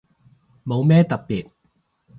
冇咩特別